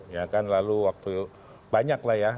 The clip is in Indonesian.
ya kan lalu waktu banyak lah ya